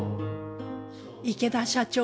池田社長